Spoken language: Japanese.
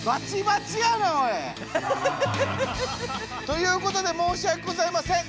ということで申し訳ございません。